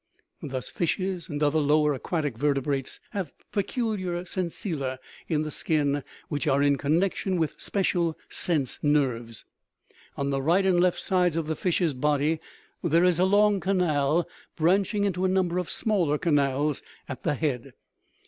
Thus fishes and other lower aquatic vertebrates have peculiar sensilla in the skin which are in connection with special sense nerves. On the right and left sides of the fish's body there is a long canal, branching into a number of smaller canals at the head.